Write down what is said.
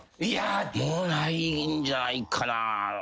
もうないんじゃないかな。